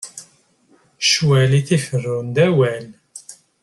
Ccwal i t-iferrun d awal.